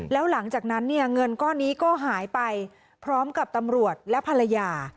แล้วหลังจากนั้นเนี่ยเงินก้อนนี้ก็หายไปพร้อมกับตำรวจและภรรยา